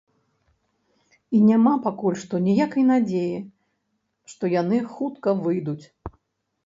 І няма пакуль што ніякай надзеі, што яны хутка выйдуць.